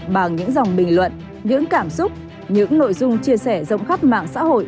bằng những dòng bình luận những cảm xúc những nội dung chia sẻ rộng khắp mạng xã hội